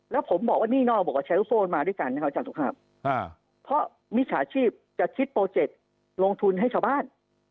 แล้วเป็นไงครับอัศวาบว์